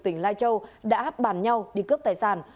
tỉnh lai châu đã hấp bản nhau đi cướp tài sản